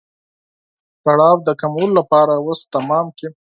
کړاو د کمولو لپاره وس تمام کړي.